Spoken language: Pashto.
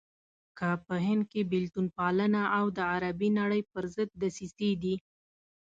که په هند کې بېلتون پالنه او د عربي نړۍ پرضد دسيسې دي.